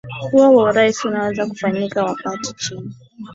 huo wa urais unaweza ukafanyika wakati chini